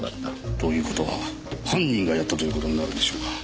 という事は犯人がやったという事になるんでしょうか。